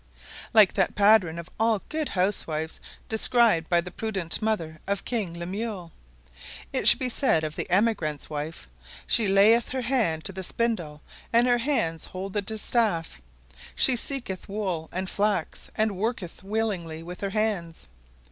Like that pattern of all good housewives described by the prudent mother of King Lemuel, it should be said of the emigrant's wife, "She layeth her hands to the spindle, and her hands hold the distaff." "She seeketh wool, and flax, and worketh willingly with her hands."